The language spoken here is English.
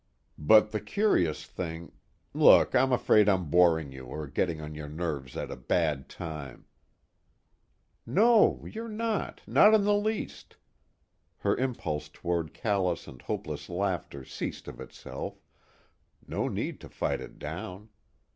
But the curious thing look, I'm afraid I'm boring you or getting on your nerves at a bad time " "No, you're not, not in the least." Her impulse toward callous and hopeless laughter ceased of itself, no need to fight it down.